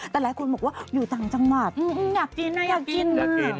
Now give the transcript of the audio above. แต่หลายคนบอกว่าอยู่ต่างจังหวัดอยากกินนะอยากกิน